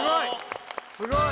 すごい！